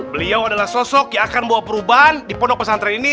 beliau adalah sosok yang akan membawa perubahan di pondok pesantren ini